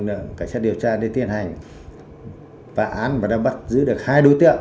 cảnh sát điều tra để tiến hành và án và đáp bắt giữ được hai đối tượng